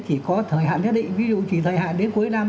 chỉ có thời hạn nhất định ví dụ chỉ thời hạn đến cuối năm